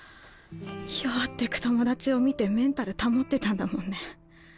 弱ってく友達を見てメンタル保ってたんだもんね。